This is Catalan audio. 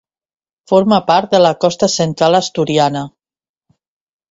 Forma part de la Costa Central asturiana.